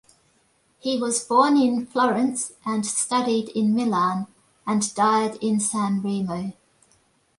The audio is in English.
He was born in Florence and studied in Milan and died in Sanremo.